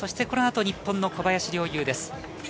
このあと日本の小林陵侑です。